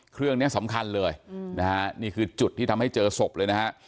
เครื่องนี้สำคัญเลยนะฮะนี่คือจุดที่ทำให้เจอศพเลยนะฮะ